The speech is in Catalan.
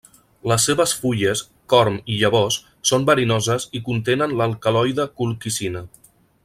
Les seves fulles, corm i llavors són verinoses i contenen l'alcaloide colquicina.